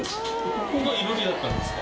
ここが囲炉裏だったんですか？